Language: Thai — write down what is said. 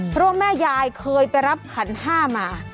เพราะว่าแม่ยายเคยไปรับขันห้ามา